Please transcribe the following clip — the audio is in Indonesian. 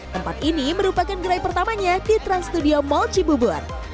tempat ini merupakan gerai pertamanya di trans studio mall cibubur